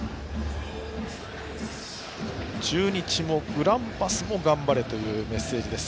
中日もグランパスも頑張れというメッセージです。